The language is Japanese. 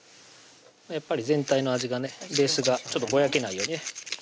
やっぱり全体の味がねベースがぼやけないようにね